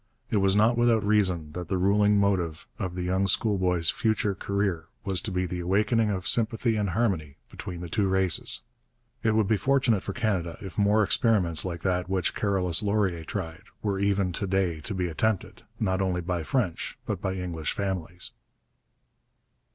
It was not without reason that the ruling motive of the young schoolboy's future career was to be the awakening of sympathy and harmony between the two races. It would be fortunate for Canada if more experiments like that which Carolus Laurier tried were even to day to be attempted, not only by French but by English families.